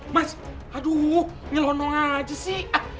mas aduh nyelonong aja sih